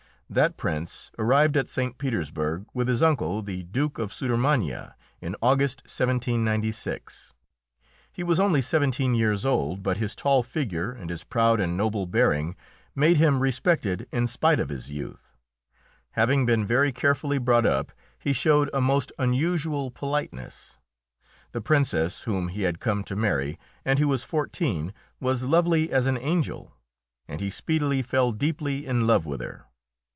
That Prince arrived at St. Petersburg, with his uncle, the Duke of Sudermania, in August, 1796. He was only seventeen years old, but his tall figure and his proud and noble bearing made him respected in spite of his youth. Having been very carefully brought up, he showed a most unusual politeness. The Princess whom he had come to marry, and who was fourteen, was lovely as an angel, and he speedily fell deeply in love with her.